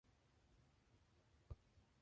Jetairfly has its headquarters in Ostend.